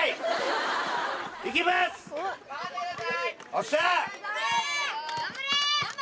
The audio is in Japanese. おっしゃ！